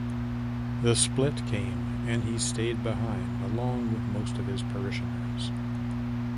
The split came and he stayed behind, along with most of his parishioners.